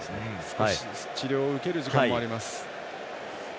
少し治療を受ける時間もあります。